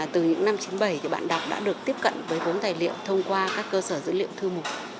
từ những năm một nghìn chín trăm chín mươi bảy bạn đọc đã được tiếp cận với bốn tài liệu thông tin